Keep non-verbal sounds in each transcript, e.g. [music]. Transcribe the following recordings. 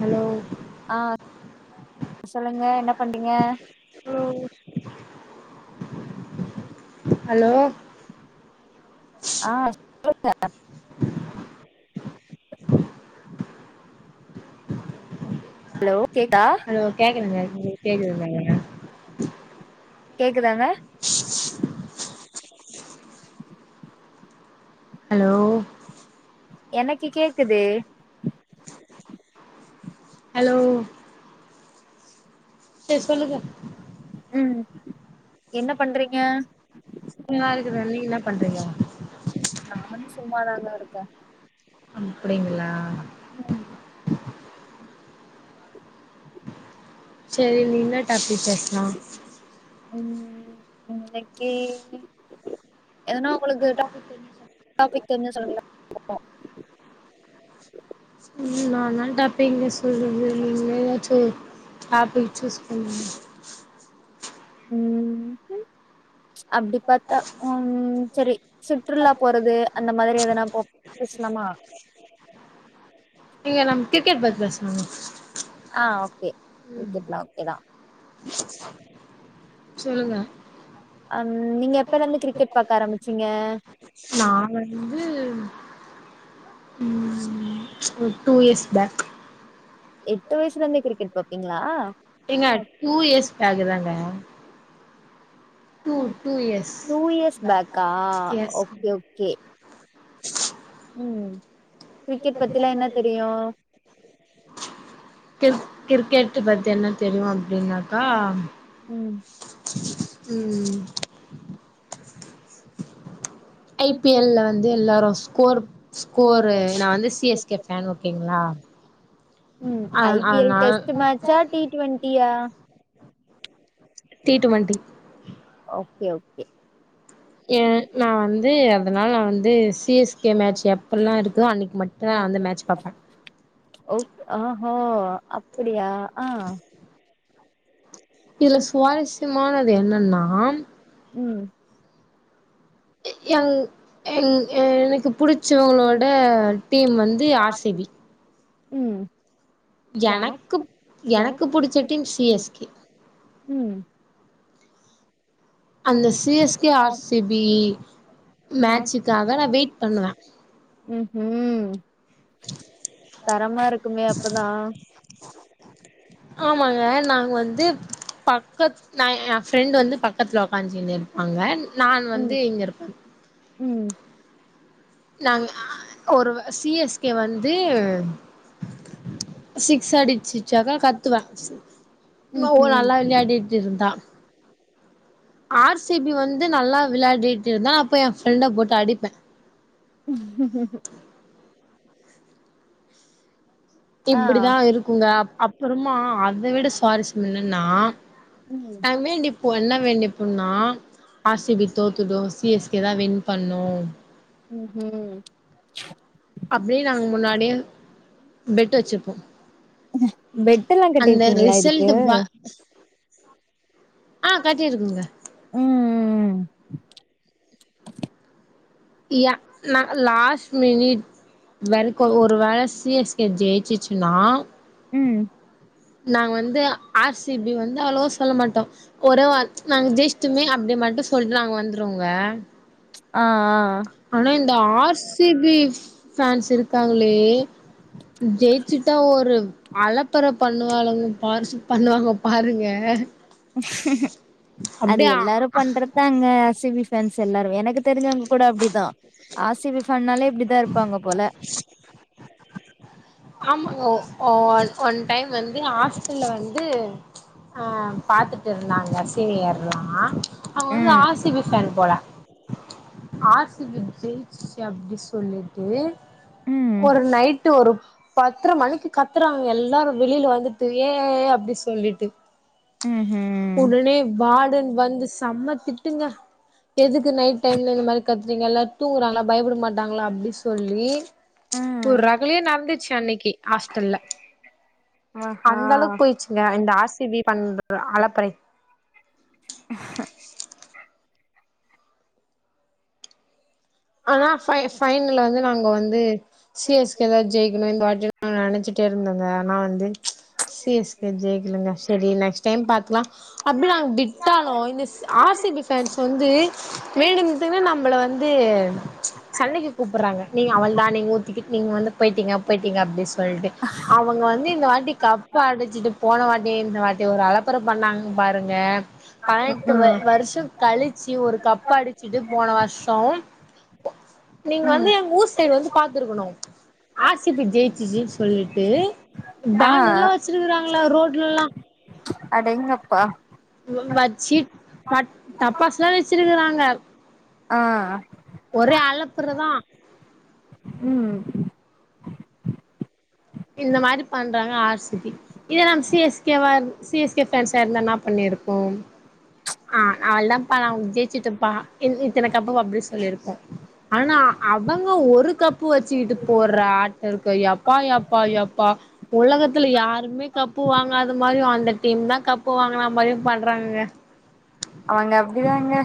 hello ஆ சொல்லுங்க என்ன பண்றீங்க ம் அலோ ஆ [unintelligible] லுங்க... லோ கேக்தா லோ கேக்குதுங்க அது மரி கேக்குதுதுங்கன்னு கேக்குதாங்க ஹலோ எனக்கி கேக்குதே ஹலோ செர் சொல்லுங்க ம் என்ன பண்றீங்க உங்காளுக்குதா நீங்க என்னா பண்றீங்க நானு சும்மாதாங்க இருக்கே அப்படிங்களா ஹ்ம் சரி நீ இன்னா டாப்பிக் பேஸ்லா உம்மே எனக்கே என்னுடைய டேட்டாஃப் ஆஃப் பத்து என்னனு சொல்லிங்கில்ல பாத்து அனால் டப்பிங்கு சொல்றது நிங் எதாச்சு ஒர் ஆப்பிள் சூஸ் பண்ணுங்க உம் அப்டி பத்தா உம் சரி சுற்றுலா போறது அந்த மாதிரி எதுனா போ பெஸ்லாமா இல்ல நம் கிரிக்கெட் பத்தி பேசலாங்க ஆ ஓகே விக்கெட்லா ஓகேதா சொல்லுங்க ஹம் நீங்க எப்ப இருந்து கிரிக்கெட் பாக்க ஆரம்பிச்சீங்க நான் வந்து உம் டூ இயர்ஸ் பேக் எட்டு வயசுல இருந்தே கிரிக்கெட் பாப்பீங்களா ஏங்க டூ இயர்ஸ் பேக்கு தாங்க டூ இயர்ஸ் பேக்கா ஓகே ஓகே ம் கிரிக்கெட் பத்திலா என்ன தெரியு கிர் கிர்க்கெட்டு பத்தின்னா தெரியுமா அப்டினாக்கா ம் உம் ஐபிஎல்ல வந்து எல்லாரு ஸ்கோர்ப் ஸ்கோரு நா வந்து சிஎஸ்கே ப்ளான் ஓகேங்ளா ம் ஐபிஎல் டெஸ்ட் மேட்ச்சாட் டி ட்வென்டியா ஓகே ஓகே ஏ நா வந்து அதனால நா வந்து சிஎஸ்கே மேட்ச் எப்பல்லா இருக்கோ அன்னிக் மட் பதா வந்து மேட்ச் பாப்பே ஒ ஆஹஹோ அப்புடியா ஆஹ் இதுல சுவாரஸ்சியமானது என்னன்னா ம் எங் எங்‌‌ எ எனக்கு புடிச்சவங்களோட டீம் வந்து ஆர் சி பி ம் எனக்குப் எனக்கு புடிச்ச டீம் சி எஸ் கே ம் அந்த C S K R C B மேட்சுக்காக நா வெயிட் பண்ணுவ ம் ஹ்ம் தரமா இருக்குமே அப்பதா ஆமாங்க நாங்க வந்து பக்கத் நா என் ஃப்ரெண்டு வந்து பக்கத்துல உக்காஞ்சின்னு இருப்பாங்க நான் வந்து இங்கிருப்ப ம் நாங்க ஒரு சி எஸ் கே வந்து சிக்ஸ் ஆடிச்சுச்சாக்கா கத்துக்க ஓ நல்லா விளையாடிட் இருந்தா ஆர் சி பி வந்து நல்லா விளையாடிட்டிருந்தா அப்போ என் ஃப்ரெண்ட போட்டு அடிப்ப ம்... கு... கு.... இப்டிதா இருக்குங்க அப் அப்பறமா அத விட சுவாரஸ்யம் என்னன்னா தமேண்டிப் போ என்ன வேண்டிப்போனா ஆர் சி பி தோத்துடு சி எஸ் கே தா வின் பண்ணு ம் ஹ்ம் அப்டி நாங்க முன்னாடியே பெடு வெச்சிருப்போ அந்த ரிசல்டு வ ஆஹ் கட்டியாருக்குங்க ம் யா நா லாஸ்ட் மினிட் வரக்கு ஒரு வேல சி எஸ் கே ஜெயிச்சிச்சுன்னா நாங்க வந்து ஆர் சி பி வந்து அவ்ளோவா சொல்ல மாட்டோ ஒரே வ நாங்க ஜெயிச்சுட்டமே அப்டி மட்டு சொல்ட்டு நாங்க வந்துருவோங்க ஆஹ் ஆனா இந்த ஆர் சி பி ஃபேன்சிருக் காங்களே ஜெயிச்சிட்டா ஒரு அலப்பர பண்ணுவளுங்க பாருசு பண்ணுவாங்க பாருங்க அது எல்லாரு பண்றதாங்க ஆர் சி பி ஃபேன்ஸ் எல்லாரு எனக் தெரிஞ்சவங்க கூட அப்டிதா ஆர் சி பி ஃபேன்னாலே ஆமாங்க ஒ ஒ ஒன் டைம் வந்து ஹாஸ்டல்ல வந்து ஆ பாத்துட்டு இருந்தாங்க சீனியர்ல்லா அவுங்க வந்து ஆர் சி பி ஃபேன் போல ஆர் சி பி ஜெயிச்சிச்சு அப்டி சொ சொல்லிட்டு ஒரு நைட்டு ஒரு பத்ர மணிக்கு கத் த்துராங்க எல்லாரு வெளில வந்துட்டு ஏய் அப்டி சொல்லிட்டு உடனே வார்டன் வந்து செம்ம திட் டுங்க எதுக்கு நைட் டைம்ல இந்த மாரி கத்றீங்க எல்லாரு தூங்குறாங்கல பயப்பட மாட் டாங்களா அப்டி சொல்லி ஒரு ரகலயே நடந்துச்சு அன்னைக்கி ஹாஸ்டல்ல அந்த அளவுக்கு போயிச்சு ங்க இந்த ஆர் சி பி பண்ற அலப்பரை ஆனா ஃபை ஃபைனல வந்து நாங்க வந்து சி எஸ் கே தா ஜெயிக்கணு இந்த வாட்டி நா நெனச்சிட்டே இருந்தோங்க ஆனா வந்து சி எஸ் கே ஜெயிக்கலங்க செரி நெக்ஸ்ட் டைம் பாத்துக்கலா அப்டி நாங்க விட்டாலு இந்த ஸ் ஆர் சி பி ஃபேன்ஸ் வந்து வேனும் த்தீங்னா நம்பள வந்து சண்டைக்கு கூப்புறாங்க நீங்க அவள்தா நீங்க ஊத்திக்கிட்டு நீங்க வந்து போய்ட்டீங்க போய்ட்டீங்க அப்டி சொல்ட்டு அவுங்க வந்து இந்த வாட்டி கப்பு அடிச்சிட்டு போன வாட்டி இந்த வாட்டி ஒரு அலப் பற பண்ணாங் பாருங்க பதினெட்டு வ வருஷோ கழிச்சி ஒரு கப் அடிச்சிட்டு போன வர்ஷோ நீங்க வந்து எங்க ஊர் சைடு வந்து பாத்துருக்கணு ஆர் சி பி ஜெயிச்சிச்சின் சொல்லிட்டு பேனர்லா வச்சிருக்கறாங்ளா ரோட்லல்லா அடேங்கப்பா வச்சி ப டப்பாசுலா வெச்சிருக்கறாங்க ஆ ஒரே அலப்புறதா ம் இந்த மாரி பண்றாங்க ஆர் சி பி இதே நம் சி எஸ் கே வா இரு சி எஸ் கே ஃபேன்ஸா இருந்தா என்னா பண்ணிருப்போ ஆ அவள்தாப்பா நா உ ஜெயிச்சிட்டப்பா இந் இத்தன கப்பு அப்டி சொல்லிருப்போ ஆனா அவுங்க ஒரு கப்பு வச்சிக்கிட்டு போற ஆட்ட இருக்கு எப்பா எப் பா யப்பா உலகத்துல யாருமே கப்பு வாங்காத மாதிரியு அந்த டீம் தா கப்பு வாங்கன மாரியு பண்றாங்கங்க அவுங்க அப்டிதாங்க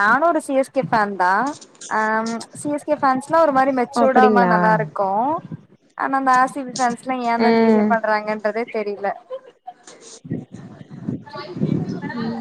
நானு ஒரு சி எஸ் கே ஃபேன் தா ஆம் சி எஸ் கே ஃபேன்ஸ்லா ஒரு மாரி மெச்சூடா ஒரு மாரி நல்லாருக்கு ஆனா அந்த ஆர் சி பி ஃபேன்ஸ்லா ஏந்தா இப்டி பிஹேவ் பண்றாங்கன்றதே தெரியில ம்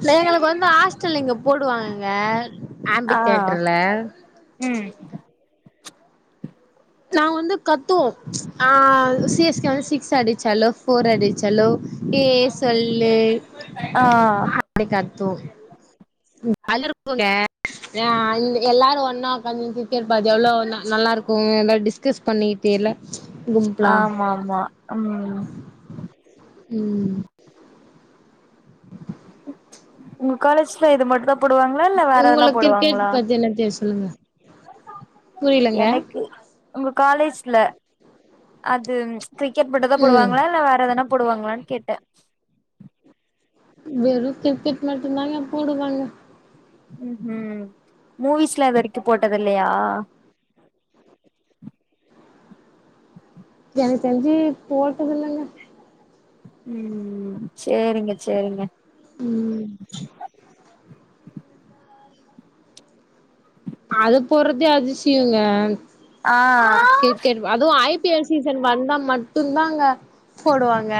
இல்ல எங்களுக்கு வந்து ஹாஸ்டல் இங்க போடுவாங்கங்க ஆ ம் நா வந்து கத்துவோ ஆ சி எஸ் கே வந்து சிக்ஸ் அடிச்சாலோ ஃபோர் அடிச்சாலோ ஏ சொல்லு ஆ அப்டி கத்து ம் அல்லு இருக்குங்க ஆ இங் எல்லாரு ஒன்னா ஒக்காந்து கிரிக்கெட் பாத்து எவ்ளோ நல்லா இருக்குங்க இந்த டிஸ்கஸ் பண்ணி தெர்ல கும்ப்லா ம் உங்க காலேஜ்ல இது மட்டு தா போடுவாங்ளா இல்ல வேற எதெல்லா போடுவாங்ளா என்னடேயே சொல்லுங்க எனக்கு உங்க காலேஜ்ல அது கிரிக்கெட் மட்டு தா போடுவாங்ளா இல்ல வேற எதுனா போடுவாங்ளான் கேட்ட வெறு கிரிக்கெட் மட்டுதாங்க போடுவாங்க ம் ஹூ மூவிஸ்லா இது வரைக்கு போட்டதில்லையா எனக்கு தெரிஞ்சி போட்டதில்லங்க ம் சேரிங்க சேரிங்க ம் அது போறதே அதிசியங்க ஆ கிரிக்கெட் அதுவு ஐ பி எல் சீசன் வந்தா மட்டு தாங்க போடுவாங்க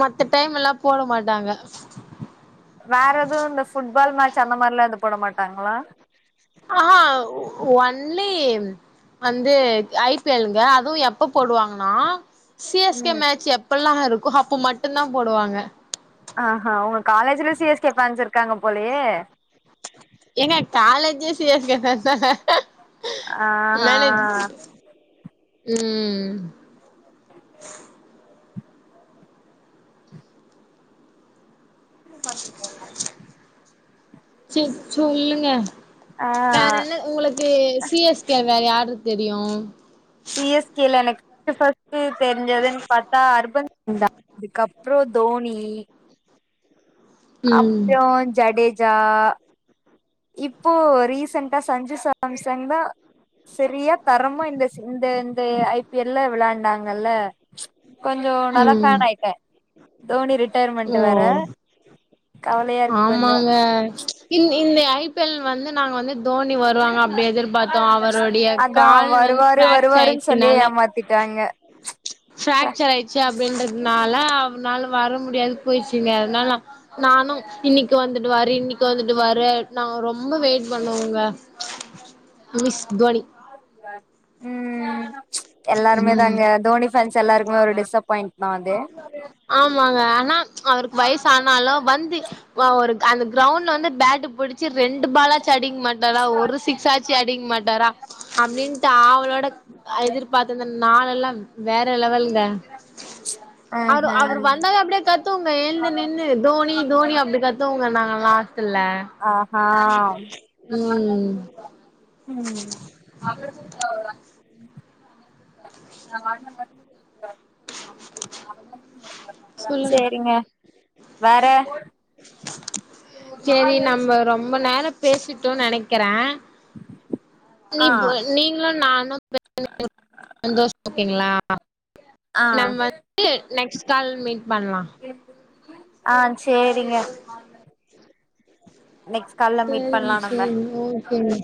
மத்த டைம் எல்லா போட மாட்டாங்க வேற எதுவு இந்த ஃபுட்பால் மேட்ச் அந்த மாரிலா எது போட மாட்டாங்ளா ஆஹா ஒன்லி வந்து ஐ பி எல் ங்க அதுவு எப்ப போடுவாங்னா சி எஸ் கே மேட்ச் எப்பல்லா இருக்கோ அப்போ மட்டுந்தா போடுவாங்க ஆ ஹா உங்க காலேஜ்ல சி எஸ் கே ஃபேன்ஸ் இருக்காங்க போலயே ஏங்க காலேஜே சி எஸ் கே ஃபேன்ஸ் தான மேனேஜ் ம் பத்து [unintelligible] செரி சொல்லுங்க வேற என்ன உங்களுக் இதே சி எஸ் கேல வேற யாரு தெரியு சி எஸ் கேல எனக்கு பர்ஸ்ட்டு தெரிஞ்சதுன்னு பாத்தா அர்பன் இந்தா இதுக்கப்றோ தோனி அப்றோ ஜடேஜா இப்போ ரீசெண்டா சஞ்சு சாம்சங் தா செரியா தரமா இந்த இந்த ஐ பி எல் ல விளாண்டாங்கள்ல கொஞ்சோ நல்லா ஃபேன் ஆயிட்டே தோனி ரிட்டையர்மெண்ட் வேற ஆமாங்க இந் இந்த ஐ பி எல் வந்து நாங்க வந்து தோனி வருவாங்க அப்டி எதிர்பாத்தோ அவருடைய கால் வந்து ஃப்ராக்ச் ஆயிடுச்சுனால ஃப்ராக்சர் ஆய் ச்சு அப்டின்றதுனால அவனால வர முடியாது போயிடுச்சுங்க அதனால நானு இன்னிக்கு வந்துடுவாரு இன்னிக்கு வந்து டுவாரு நாங்க ரொம்ப வெயிட் பண்ணுவோங்க மிஸ் தோனி ம் எல்லாருமே தாங்க தோனி ஃபேன்ஸ் எல்லாருக்குமே ஒரு டிஸப் ஃபாயிண்ட் தா அது ஆமாங்க ஆனா அவருக்கு வயசு ஆனாலு வந்து வா ஒரு அந்த க்ரௌண்ட்ல வந்து ஃபேட்டு புடிச் ச்சு ரெண்டு ஃபாலாச்சு அடிக்க மாட்டாரா ஒரு சிக்ஸ் ஆச்சு அடிக்க மாட்டாரா அப்டின்ட்டு ஆவளோட எதிர் பார்த்துந்த நாள் எல்லா வேற லெவல்ங்க அவரு அவர் வந்தாவே அப்டியே கத்துவோங்க எழுந்து நின்னு தோனி தோனி அப்டி கத்துவோங்க நாங்க எல்லா ஆஸ்டல்ல ஆ ஹா ம் [inaudible] சேரிங்க வேற சேரி நம்ம ரொம்ப நேரோ பேசிட்டோ நெனைக்கிறே நீ நீங்களு நானு பேசு [inaudible] சந்தோஷோ ஓக்கீங்ளா ஆ நம்ம வந்து நெக்ஸ்ட் கால் மீட் பண்லா ஆ சேரிங்க சேரிங்க சேரி ஓகேங்க